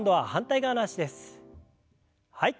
はい。